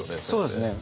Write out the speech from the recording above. そうですね。